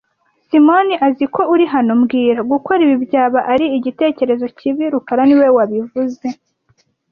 Simoni azi ko uri hano mbwira Gukora ibi byaba ari igitekerezo kibi rukara niwe wabivuze